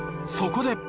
そこで。